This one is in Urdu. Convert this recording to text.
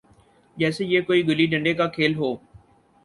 جیسے یہ کوئی گلی ڈنڈے کا کھیل ہو۔